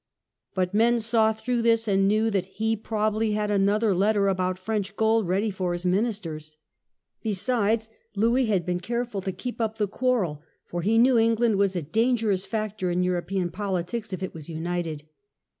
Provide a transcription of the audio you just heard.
But men saw through this, and knew that he probably had another letter about French gold ready for his ministers. Besides, Louis had been careful to keep up the quarrel, for he knew England was a dangerous factor in European politics if it was united.